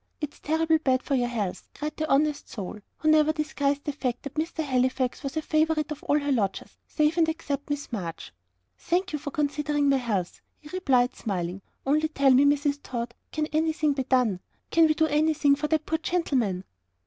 It's terrible bad for your health," cried the honest soul, who never disguised the fact that Mr. Halifax was her favourite of all her lodgers, save and except Miss March. "Thank you for considering my health," he replied, smiling. "Only tell me, Mrs. Tod, can anything be done can we do anything for that poor gentleman?"